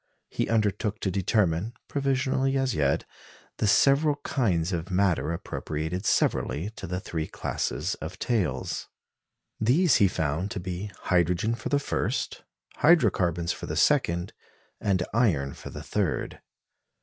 He undertook to determine (provisionally as yet) the several kinds of matter appropriated severally to the three classes of tails. These he found to be hydrogen for the first, hydro carbons for the second, and iron for the third.